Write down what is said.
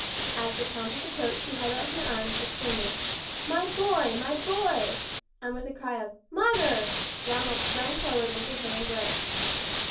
As the countess approached she held our her arms, exclaiming: "My boy, my boy!" and with a cry of "Mother!" Ronald sprang forward into her embrace.